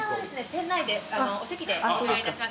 店内でお席でお願いいたします。